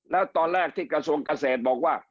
แล้วตอนแรกที่กระทรวงเกษตรบอกว่า